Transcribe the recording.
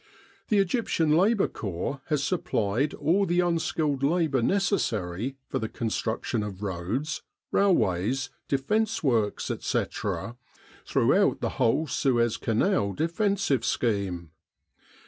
The Egyptian Labour Corps has 279 With the R.A.M.C. in Egypt supplied all the unskilled labour necessary for the construction of roads, railways, defence works, etc., throughout the whole Suez Canal defensive scheme.